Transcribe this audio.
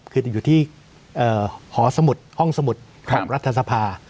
คืออยู่ที่ห้องสมุทรของรัฐสภา